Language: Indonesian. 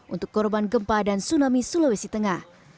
untuk korban gempa dan tsunami sulawesi tengah